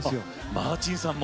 マーチンさんも。